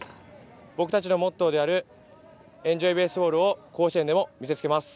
僕たちのモットーである「エンジョイベースボール」を甲子園でも見せつけます。